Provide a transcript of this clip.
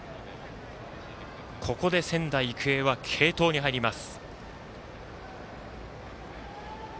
ここで仙台育英は継投に入ります。